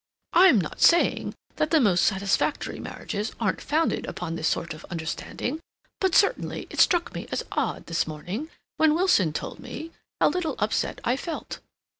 I'm not saying that the most satisfactory marriages aren't founded upon this sort of understanding. But certainly it struck me as odd this morning, when Wilson told me, how little upset I felt.